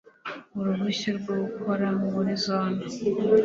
uruhushya rwo gukorera muri zone